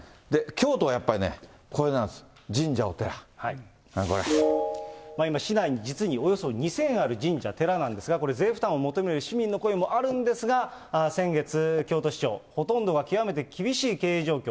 京都はやっぱりね、これ今、市内に実におよそ２０００ある神社、寺なんですが、これ、税負担を求める市民の声もあるんですが、先月、京都市長、ほとんどが極めて厳しい経営状況。